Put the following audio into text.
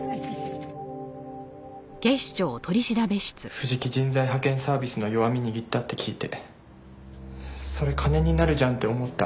藤木人材派遣サービスの弱み握ったって聞いてそれ金になるじゃんって思った。